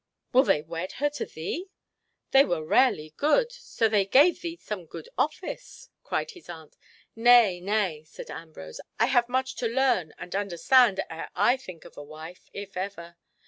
"Will they wed her to thee? That were rarely good, so they gave thee some good office!" cried his aunt. "Nay, nay," said Ambrose. "I have much to learn and understand ere I think of a wife—if ever.